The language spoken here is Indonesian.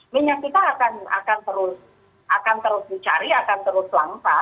minyak kita akan terus dicari akan terus langka